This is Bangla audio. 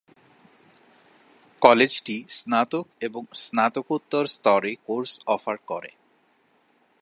কলেজটি স্নাতক এবং স্নাতকোত্তর স্তরে কোর্স অফার করে।